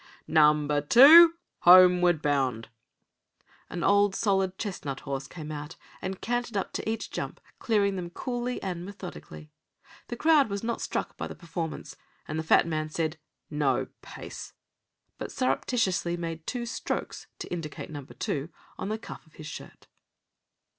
"Number Two, Homeward Bound!" An old, solid chestnut horse came out and cantered up to each jump, clearing them coolly and methodically. The crowd was not struck by the performance, and the fat man said: "No pace!" but surreptitiously made two strokes (to indicate Number Two) on the cuff of his shirt.